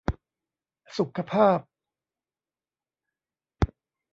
สุขภาพ